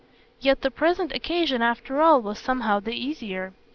Yet the present occasion after all was somehow the easier.